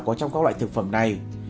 có trong các loại thực phẩm này